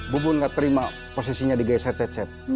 bubun gak terima posisinya di geisah cecep